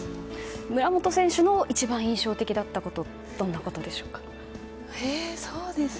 村元選手の一番印象的だったことはどんなことでしょうか。